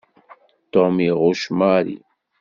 Tom iɣucc Mary.